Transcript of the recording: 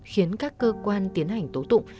khiến các cơ quan tiến hành tố tụng